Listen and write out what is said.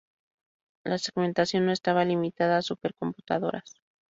La segmentación no estaba limitada a supercomputadoras.